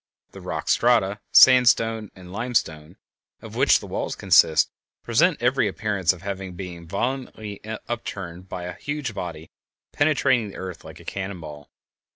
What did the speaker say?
The rock strata (sandstone and limestone) of which the walls consist present every appearance of having been violently upturned by a huge body penetrating the earth like a cannon ball.